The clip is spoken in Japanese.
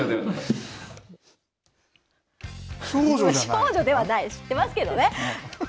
少女ではない知ってますけどね。